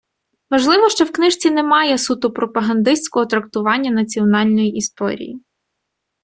Важливо, що в книжці немає суто пропагандистського трактування національної історії.